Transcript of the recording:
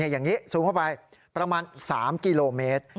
อย่างนี้ซูมเข้าไปประมาณ๓กิโลเมตร